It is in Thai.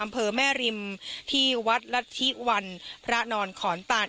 อำเภอแม่ริมที่วัดรัฐธิวันพระนอนขอนตาน